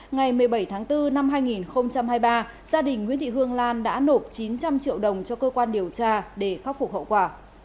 ngày một mươi bảy tháng bốn năm hai nghìn hai mươi ba gia đình nguyễn thị hương lan đã nộp chín trăm linh triệu đồng cho cơ quan điều tra để khắc phục hậu quả